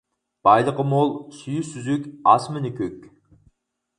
بايلىقى مول، سۈيى سۈزۈك، ئاسمىنى كۆك.